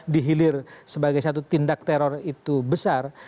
dihilir sebagai satu tindak teror itu besar